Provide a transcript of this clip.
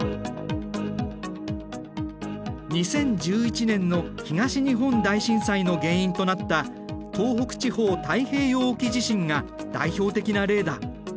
２０１１年の東日本大震災の原因となった東北地方太平洋沖地震が代表的な例だ。